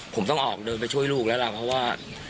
ผมต้องออกเดินไปช่วยลูกแล้วล่ะเพราะว่า